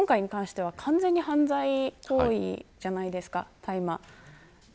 今回に関しては完全に犯罪行為じゃないですか。